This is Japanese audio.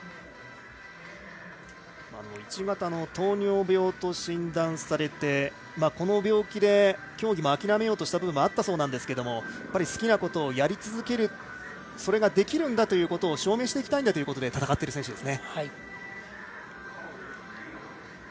１型の糖尿病と診断されてこの病気で競技も諦めようとした部分もあったそうなんですけども好きなことをやり続けるそれができるんだということを証明していきたいということで戦っている選手。